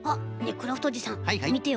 クラフトおじさんみてよ。